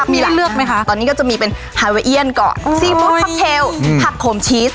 มีหลักตอนนี้ก็จะมีเป็นไฮเวอร์เอียนก่อนซีฟู้ดพับเทลผักโขมชีส